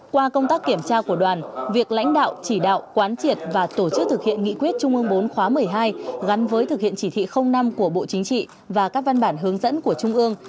qua công tác kiểm tra của đoàn việc lãnh đạo chỉ đạo quán triệt và tổ chức thực hiện nghị quyết trung ương bốn khóa một mươi hai gắn với thực hiện chỉ thị năm của bộ chính trị và các văn bản hướng dẫn của trung ương